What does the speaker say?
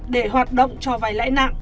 để hoạt động cho vay lãi nặng